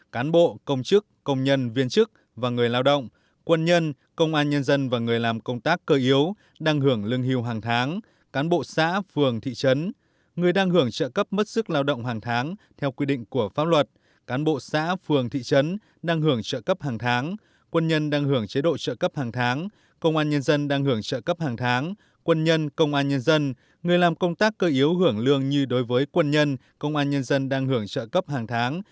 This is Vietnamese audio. cán bộ công chức công nhân viên chức và người lao động quân nhân công an nhân dân và người làm công tác cơ yếu đang hưởng lương hưu hàng tháng cán bộ xã phường thị trấn người đang hưởng trợ cấp mất sức lao động hàng tháng theo quy định của pháp luật cán bộ xã phường thị trấn đang hưởng trợ cấp hàng tháng quân nhân đang hưởng chế độ trợ cấp hàng tháng công an nhân dân đang hưởng trợ cấp hàng tháng quân nhân công an nhân dân người làm công tác cơ yếu hưởng lương như đối với quân nhân công an nhân dân đang hưởng trợ cấp hàng tháng